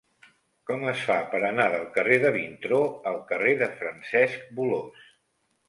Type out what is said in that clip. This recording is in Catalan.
Com es fa per anar del carrer de Vintró al carrer de Francesc Bolòs?